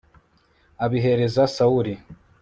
abihereza sawuli